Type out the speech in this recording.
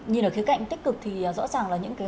nhìn ở khía cạnh tích cực thì rõ ràng là những cái